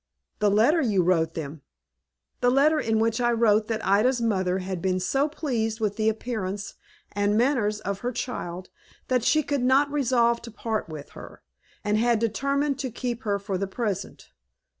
"The letter you wrote them!" "The letter in which I wrote that Ida's mother had been so pleased with the appearance and manners of her child, that she could not resolve to part with her, and had determined to keep her for the present."